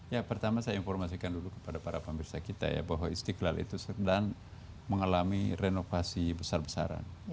ya pertama saya informasikan dulu kepada para pemirsa kita ya bahwa istiqlal itu sedang mengalami renovasi besar besaran